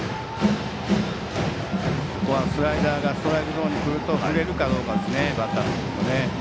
ここはスライダーがストライクゾーンに来ると振れるかどうかですね、バッター。